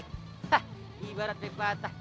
hah ibarat bebatah